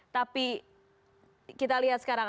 tapi kita lihat sekarang